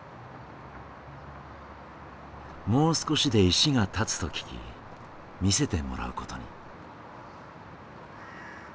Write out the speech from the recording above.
もう少しで石が立つと聞き見せてもらうことに。